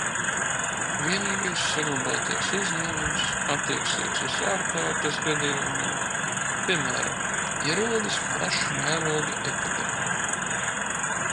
Vienīgais saglabātais izņēmums attieksies uz ārkārtas gadījumiem, piemēram, ja rodas plaša mēroga epidēmija.